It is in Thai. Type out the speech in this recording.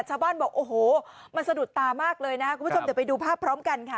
ชาวบ้านบอกโอ้โหมันสะดุดตามากเลยนะคุณผู้ชมเดี๋ยวไปดูภาพพร้อมกันค่ะ